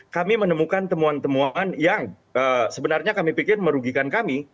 kami menemukan temuan temuan yang sebenarnya kami pikir merugikan kami